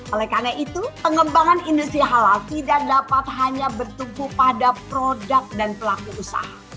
oleh karena itu pengembangan industri halal tidak dapat hanya bertumpu pada produk dan pelaku usaha